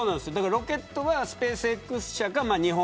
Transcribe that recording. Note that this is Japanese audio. ロケットはスペースＸ社か日本。